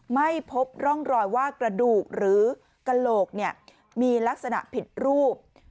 ไม่พบร่องรอยว่ากระดูกหรือกระโหลกมีลักษณะผิดรูป